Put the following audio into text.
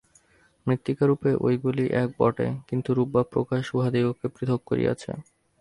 মৃত্তিকারূপে ঐগুলি এক বটে, কিন্তু রূপ বা প্রকাশ উহাদিগকে পৃথক করিয়াছে।